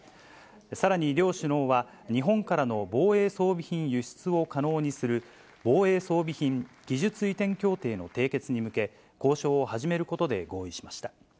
さらに両首脳は、日本からの防衛装備品輸出を可能にする、防衛装備品・技術移転協定の締結に向け、交渉を始めることで合意しました。